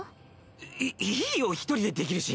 いいいいよ一人でできるし。